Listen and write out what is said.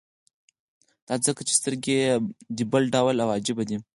دا ځکه چې سترګې دې بل ډول او عجيبه دي.